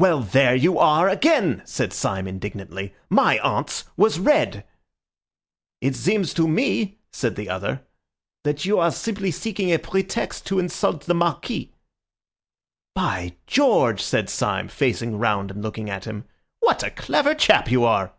"Well, there you are again!" said Syme indignantly. "My aunt's was red." "It seems to me," said the other, "that you are simply seeking a pretext to insult the Marquis." "By George!" said Syme, facing round and looking at him, "what a clever chap you are!"